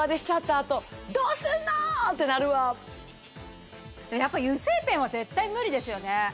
あと「どうすんの！」ってなるわやっぱ油性ペンは絶対無理ですよね